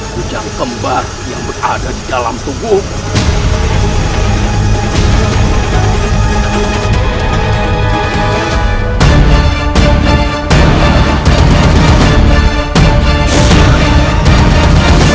menjauh kembar yang berada di dalam tubuhmu